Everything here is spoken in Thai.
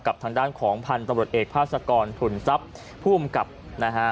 ทางด้านของพันธุ์ตำรวจเอกภาษากรถุนทรัพย์ผู้อำกับนะฮะ